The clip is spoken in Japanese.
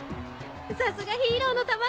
さすがヒーローの卵！